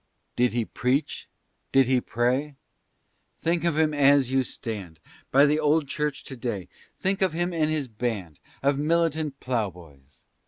Did he preach did he pray? Think of him as you stand By the old church to day; think of him and his band Of militant ploughboys!